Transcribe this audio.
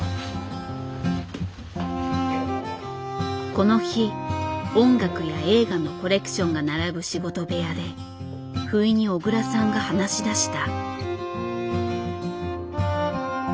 この日音楽や映画のコレクションが並ぶ仕事部屋でふいに小倉さんが話しだした。